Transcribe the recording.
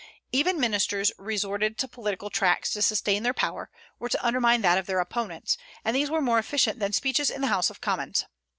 Even ministers resorted to political tracts to sustain their power, or to undermine that of their opponents; and these were more efficient than speeches in the House of Commons.